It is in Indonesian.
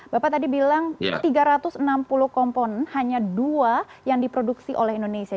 bapak tadi bilang tiga ratus enam puluh komponen hanya dua yang diproduksi oleh indonesia